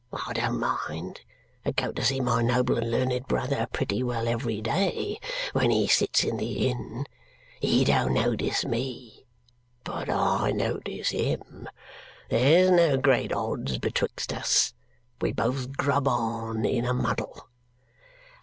I don't mind. I go to see my noble and learned brother pretty well every day, when he sits in the Inn. He don't notice me, but I notice him. There's no great odds betwixt us. We both grub on in a muddle.